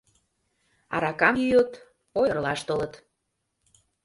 Аракам йӱыт — ойырлаш толыт!..